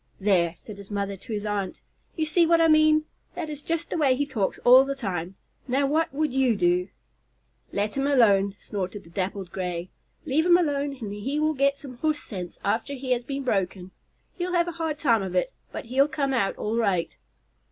"There!" said his mother to his aunt, "you see what I mean. That is just the way he talks all the time. Now what would you do?" "Let him alone," snorted the Dappled Gray. "Let him alone, and he will get some Horse sense after he has been broken. He'll have a hard time of it, but he'll come out all right."